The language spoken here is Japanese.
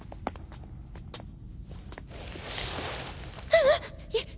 あっ！